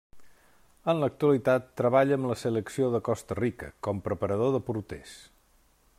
En l'actualitat treballa amb la selecció de Costa Rica, com preparador de porters.